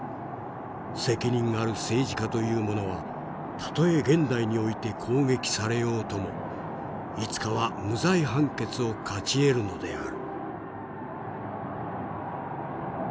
責任ある政治家というものはたとえ現代において攻撃されようともいつかは無罪判決を勝ち得るのである」。